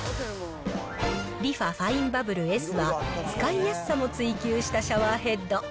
リファファインバブルＳは、使いやすさも追求したシャワーヘッド。